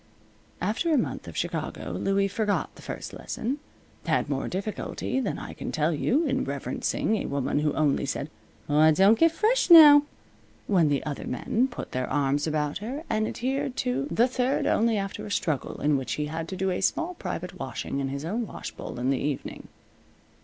After a month of Chicago Louie forgot the first lesson; had more difficulty than I can tell you in reverencing a woman who only said, "Aw, don't get fresh now!" when the other men put their arms about her; and adhered to the third only after a struggle, in which he had to do a small private washing in his own wash bowl in the evening.